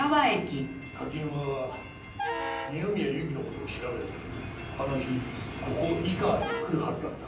柿沼は二宮ゆきの事を調べるためにあの日ここ井川に来るはずだった。